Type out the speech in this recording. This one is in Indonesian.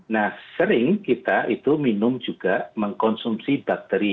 nah sering kita itu minum juga mengkonsumsi bakteri